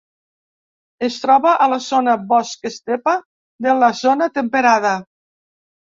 Es troba a la zona bosc-estepa de la zona temperada.